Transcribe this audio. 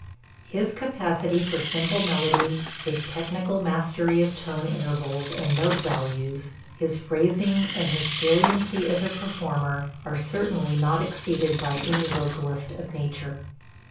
His capacity for simple melody, his technical mastery of tone intervals and note values, his phrasing and his brilliancy as a performer, are certainly not exceeded by any vocalist of nature.